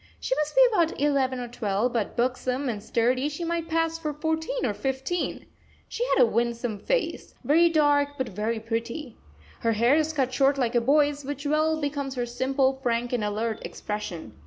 She must be about eleven or twelve; but, buxom and sturdy, she might pass for fourteen or fifteen. She has a winsome face very dark, but very pretty. Her hair is cut short like a boy's, which well becomes her simple, frank, and alert expression.